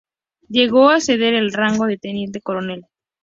Llegó a ascender al rango de teniente coronel.